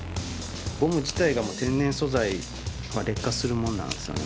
ゴム自体がもう天然素材まあ劣化するもんなんですよね。